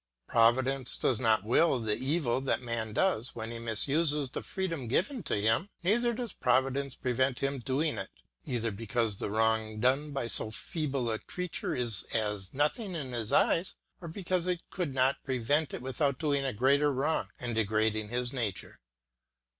Providence does not will the evil that man does when he misuses the freedom given to him; neither does Providence prevent him doing it, either because the wrong done by so feeble a creature is as nothing in its eyes, or because it could not prevent it without doing a greater wrong and degrading his nature.